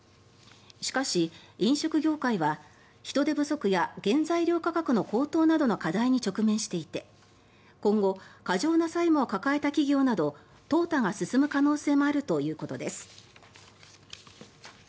しかし、飲食業界は人手不足や原材料価格の高騰などの課題に直面していて今後、過剰な債務を抱えた企業などとう汰が進む可能性もあるということです。